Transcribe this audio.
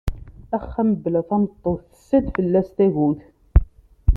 Axxam bla tameṭṭut tessa-d fell-as tagut.